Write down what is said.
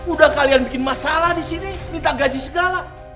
udah kalian bikin masalah di sini minta gaji segala